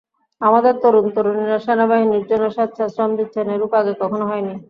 আমাদের তরুণ-তরুণীরা সেনাবাহিনীর জন্য স্বেচ্ছা শ্রম দিচ্ছেন, এরূপ আগে কখনো হয়নি।